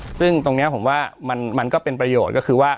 ซึ่งตรงนี้ผมว่ามันก็เป็นประโยชน์ก็คือว่า